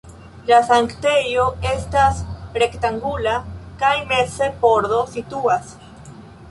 La sanktejo estas rektangula kaj meze pordo situas.